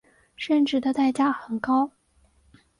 生殖的代价很高。